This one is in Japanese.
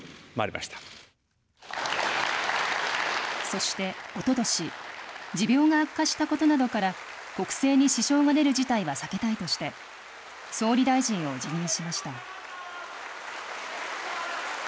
そして、おととし、持病が悪化したことなどから、国政に支障が出る事態は避けたいとして、総理大臣を辞任しました。